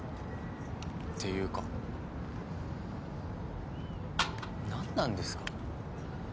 っていうか何なんですか？